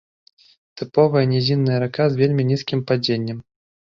Тыповая нізінная рака з вельмі нізкім падзеннем.